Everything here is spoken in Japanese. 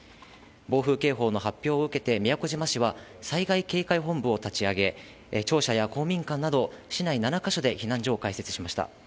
暴風警報の発表を受けて、宮古島市では災害警戒本部を立ち上げ、庁舎や公民館など、市内７か所で避難所を開設しました。